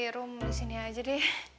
rum disini aja deh